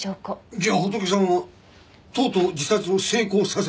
じゃあホトケさんはとうとう自殺を成功させた？